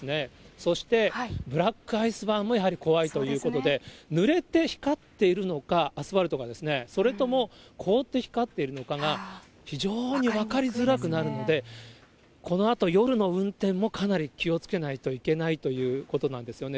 そして、ブラックアイスバーンも、やはり怖いということで、ぬれて光っているのか、アスファルトがですね、それとも凍って光っているのかが、非常に分かりづらくなるので、このあと、夜の運転も、かなり気をつけないといけないということなんですよね。